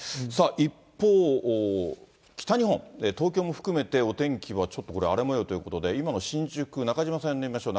一方、北日本、東京も含めてお天気はちょっとこれ、荒れもようということで今の新宿、中島さん呼んでみましょう。